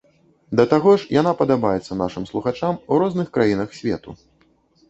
Да таго ж, яна падабаецца нашым слухачам у розных краінах свету.